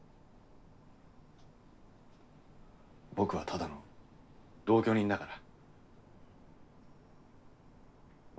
僕はただの同居人だから。